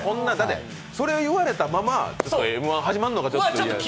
それ言われたままＭ−１始まるのがちょっとね。